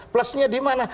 plusnya di mana